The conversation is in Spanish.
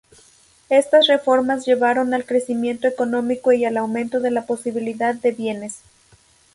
Estas reformas llevaron al crecimiento económico y al aumento de la disponibilidad de bienes.